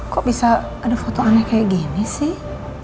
kok bisa ada foto aneh kayak gini sih